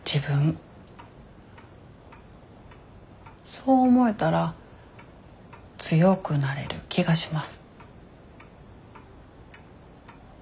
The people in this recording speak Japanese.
そう思えたら強くなれる気がします。